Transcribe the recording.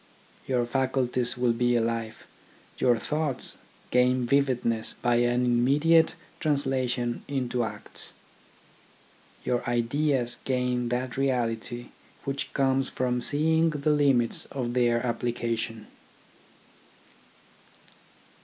Your faculties will be alive, your thoughts gain vividness by an immediate trans lation into acts. Your ideas gain that reality which comes from seeing the limits of their application.